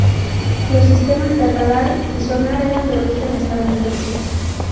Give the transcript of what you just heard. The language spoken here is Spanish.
Los sistemas de radar y sonar eran de origen estadounidense.